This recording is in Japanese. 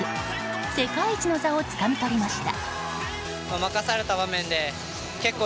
世界一の座をつかみ取りました。